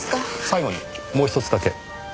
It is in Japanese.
最後にもうひとつだけ。